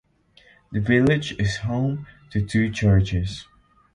The village is home to two churches.